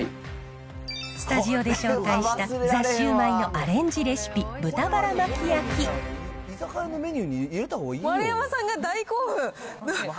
スタジオで紹介したザ・シュウマイのアレンジレシピ、丸山さんが大興奮。